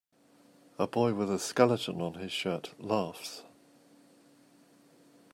A boy with a skeleton on his shirt laughs.